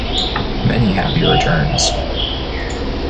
Many happy returns!